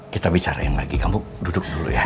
kita bicarain lagi kamu duduk dulu ya